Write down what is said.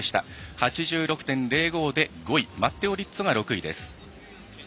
８６．０５で５位マッテオ・リッツォが６位。